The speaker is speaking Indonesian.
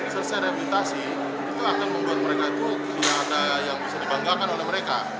selesai rehabilitasi itu akan membuat mereka itu tidak ada yang bisa dibanggakan oleh mereka